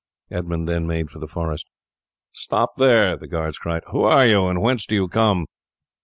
Edmund then made for the forest. "Stop there!" the guards cried. "Who are you, and whence do you come?"